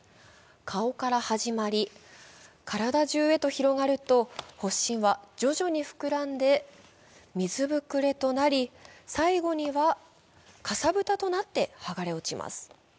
顔から始まり体中へと広がると発疹は徐々に膨らんで水ぶくれとなり、最後にはかさぶたとなって剥がれ落ちます。